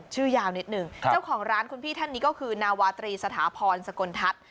ชื่อยาวนิดหนึ่งเจ้าของร้านคุณพี่ท่านนี้ก็คือนาวาตรีสถาพรสกลทัศน์